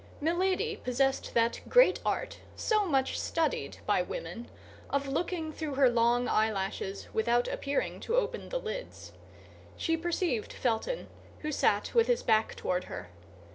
Milady possessed that great art, so much studied by women, of looking through her long eyelashes without appearing to open the lids. She perceived Felton, who sat with his back toward her.